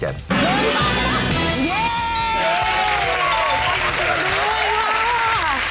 ชิมด้วยค่ะ